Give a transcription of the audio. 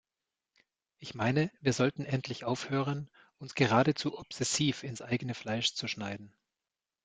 Ich meine, wir sollten endlich aufhören, uns geradezu obsessiv ins eigene Fleisch zu schneiden.